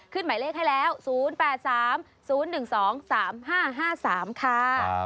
หมายเลขให้แล้ว๐๘๓๐๑๒๓๕๕๓ค่ะ